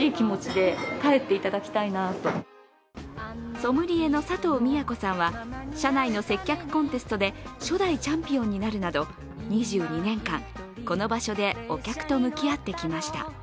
ソムリエの佐藤美也子さんは、社内の接客コンテストで初代チャンピオンになるなど、２２年間この場所でお客と向き合ってきました。